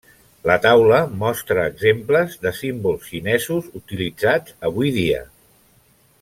La taula mostra exemples de símbols xinesos utilitzats avui dia.